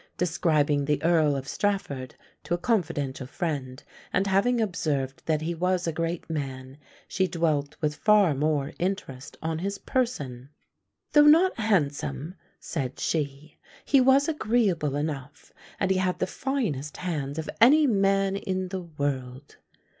Describing the Earl of Strafford to a confidential friend, and having observed that he was a great man, she dwelt with far more interest on his person: "Though not handsome," said she, "he was agreeable enough, and he had the finest hands of any man in the world."